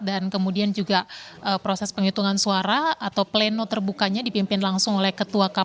dan kemudian juga proses penghitungan suara atau pleno terbukanya dipimpin langsung oleh ketua kpu